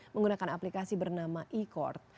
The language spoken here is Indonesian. menggunakan aplikasi bernama e court